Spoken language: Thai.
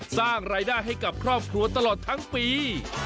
สร้างรายได้ให้กับครอบครัวตลอดทั้งปี